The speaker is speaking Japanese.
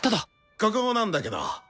ここなんだけど。